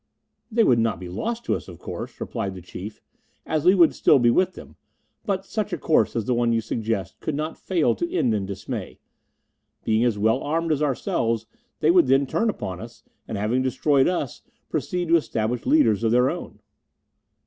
"They would not be lost to us, of course," replied the Chief, "as we would still be with them. But such a course as the one you suggest could not fail to end in dismay. Being as well armed as ourselves, they would then turn upon us, and, having destroyed us, proceed to establish leaders of their own."